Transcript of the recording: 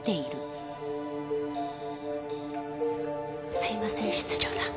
すいません室長さん。